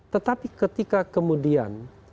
tetapi ketika kemudian